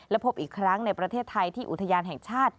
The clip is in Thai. และพบอีกครั้งในประเทศไทยที่อุทยานแห่งชาติ